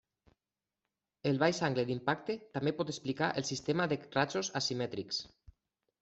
El baix angle d'impacte també pot explicar el sistema de rajos asimètrics.